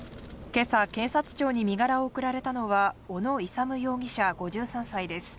今朝、検察庁に身柄を送られたのは小野勇容疑者、５３歳です。